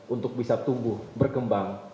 untuk bisa tumbuh berkembang